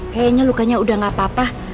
kayaknya lukanya udah gak apa apa